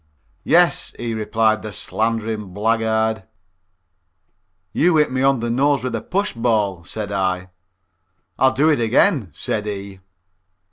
"Yes," he replied, "the slandering blackguard." "You hit me on the nose with a push ball," said I. "I'll do it again," said he.